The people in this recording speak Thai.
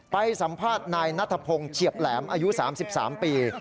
ไปสัมภาษณ์นายนัทพงศ์เฉียบแหลมอายุ๓๓ปี